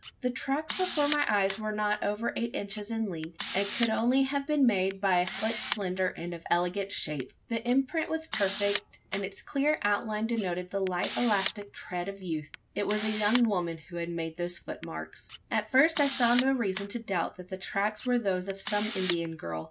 The tracks before my eyes were not over eight inches in length: and could only have been made by a foot slender, and of elegant shape. The imprint was perfect; and its clear outline denoted the light elastic tread of youth. It was a young woman who had made those footmarks. At first, I saw no reason to doubt that the tracks were those of some Indian girl.